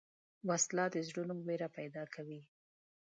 وسله د زړونو وېره پیدا کوي